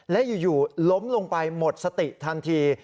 และอยู่ล้มลงไปหมดสติทันที